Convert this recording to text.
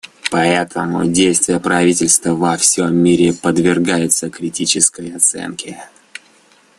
Поэтому действия правительств во всем мире подвергаются критической оценке.